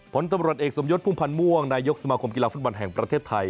ผลตำรวจเอกสมยศพุ่มพันธ์ม่วงนายกสมาคมกีฬาฟุตบอลแห่งประเทศไทย